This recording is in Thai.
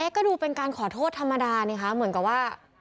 ก็ดูเป็นการขอโทษธรรมดานี่คะเหมือนกับว่า